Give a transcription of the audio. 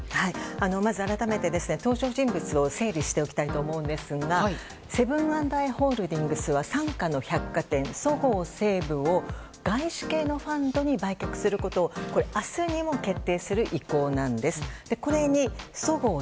まず改めて登場人物を整理しておきたいと思うんですがセブン＆アイ・ホールディングスは傘下のそごう・西武を外資系のファンドに売却することを明日にも決定する以降です。